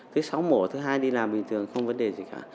thứ sáu mổ thứ hai đi làm bình thường không vấn đề gì cả